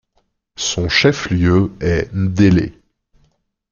Son chef-lieu est Ndélé.